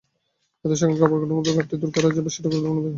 এতে সেখানকার অবকাঠামোগত ঘাটতি দূর করা যাবে, যেটা খুব গুরুত্বপূর্ণ ব্যাপার।